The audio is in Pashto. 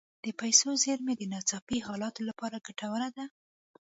د پیسو زیرمه د ناڅاپي حالاتو لپاره ګټوره ده.